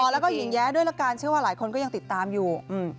แล้วก็หญิงแย้ด้วยละกันเชื่อว่าหลายคนก็ยังติดตามอยู่